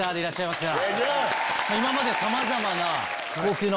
今までさまざまな。